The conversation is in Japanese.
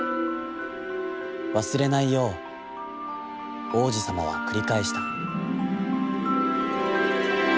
忘れないよう、王子さまはくり返した」。